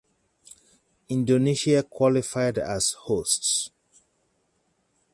Indonesia qualified as hosts.